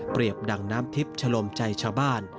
ดังน้ำทิพย์ชะลมใจชาวบ้าน